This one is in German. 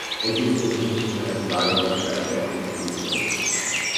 Es ist mitnichten ein tragender Teil der Entschließung.